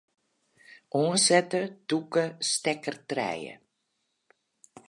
Oansette tûke stekker trije.